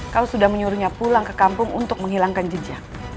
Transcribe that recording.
kalau sudah menyuruhnya pulang ke kampung untuk menghilangkan jejak